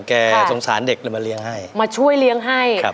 สงสารเด็กเลยมาเลี้ยงให้มาช่วยเลี้ยงให้ครับ